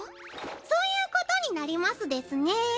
そういうことになりますですねぇ。